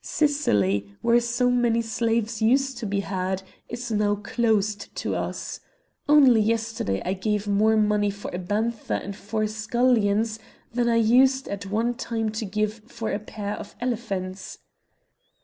Sicily, where so many slaves used to be had, is now closed to us! Only yesterday I gave more money for a bather and four scullions than I used at one time to give for a pair of elephants!"